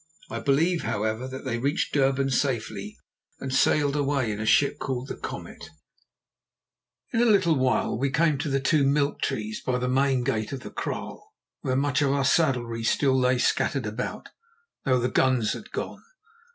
I believe, however, that they reached Durban safely and sailed away in a ship called the Comet. In a little while we came to the two milk trees by the main gate of the kraal, where much of our saddlery still lay scattered about, though the guns had gone.